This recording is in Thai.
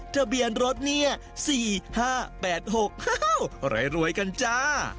ทะเบียนรถเนี่ย๔๕๘๖รวยกันจ้า